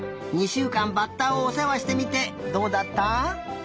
しゅうかんバッタをおせわしてみてどうだった？